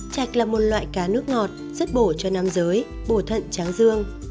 chạch là một loại cá nước ngọt rất bổ cho nam giới bổ thận tráng dương